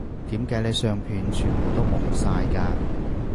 點解你相片全部都矇晒㗎